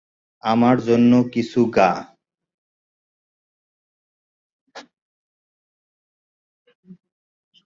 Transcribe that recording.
আমার জন্য কিছু গা।